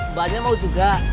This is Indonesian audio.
mbak nya mau juga